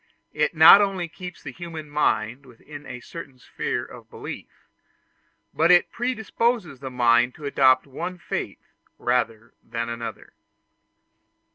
It not only keeps the human mind within a certain sphere of belief, but it predisposes the mind to adopt one faith rather than another.